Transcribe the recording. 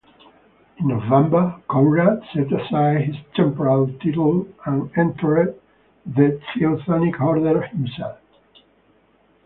In November, Conrad set aside his temporal title and entered the Teutonic Order himself.